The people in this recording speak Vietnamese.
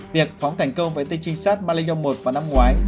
việc phóng thành công vệ tinh trinh sát mali yong một vào năm ngoái